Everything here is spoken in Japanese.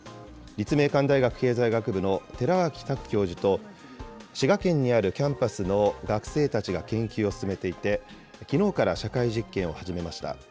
立命館大学経済学部の寺脇拓教授と、滋賀県にあるキャンパスの学生たちが研究を進めていて、きのうから社会実験を始めました。